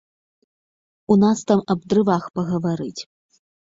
У нас там аб дрывах пагаварыць.